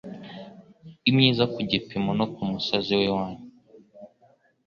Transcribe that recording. Imyiza kugipimo no k'umusozi w'iwanyu